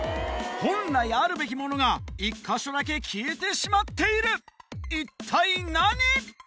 本来あるべきものが１か所だけ消えてしまっている一体何？